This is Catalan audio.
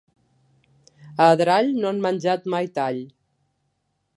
A Adrall no han menjat mai tall.